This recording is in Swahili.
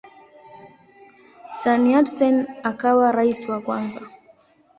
Sun Yat-sen akawa rais wa kwanza.